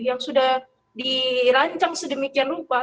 yang sudah dirancang sedemikian rupa